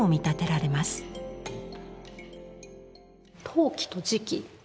陶器と磁器。